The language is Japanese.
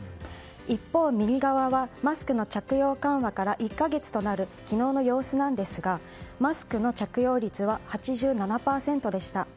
一方、右側はマスクの着用緩和から１か月となる昨日の様子なんですがマスクの着用率は８７％でした。